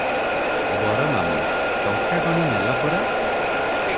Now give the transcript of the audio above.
ବର ମାମୁ- ଟଙ୍କା ଗଣି ନେଲ ପରା?